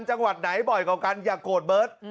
จังหวัดไหนบ่อยกว่ากันอย่าโกรธเบิร์ต